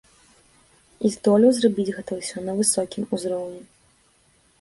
І здолеў зрабіць гэта ўсе на высокім узроўні.